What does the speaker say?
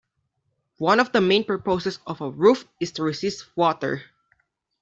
One of the main purposes of a roof is to resist water.